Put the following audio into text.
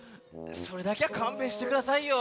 それだけはかんべんしてくださいよ。